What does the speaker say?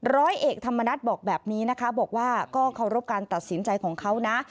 ร้อยเอกธรรมนัฐบอกแบบนี้นะคะบอกว่าก็เคารพการตัดสินใจของเขานะ